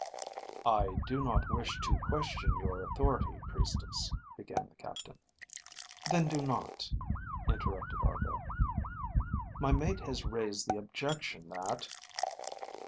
"_ "I do not wish to question your authority, Priestess," began the captain. "Then do not," interrupted Argo. _"My mate has raised the objection that